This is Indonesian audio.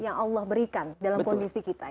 yang allah berikan dalam kondisi kita